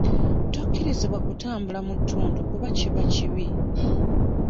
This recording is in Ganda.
Tokkirizibwa kutambula mu ttuntu kuba kiba kibi.